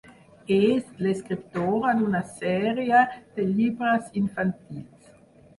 És l'escriptora d'una sèrie de llibres infantils.